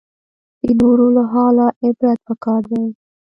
د نورو له حاله عبرت پکار دی